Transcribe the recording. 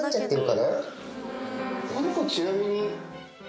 この子ちなみに。